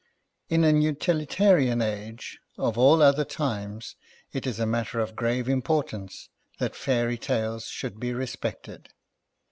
In an utilitarian age, of all other times, it is a matter of grave importance that Fairy tales should be respected.